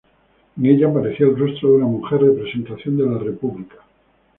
En ella aparecía el rostro de una mujer, representación de la República.